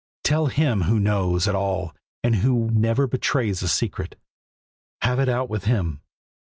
Tell Him who knows it all now and who never betrays a secret. Have it out with Him.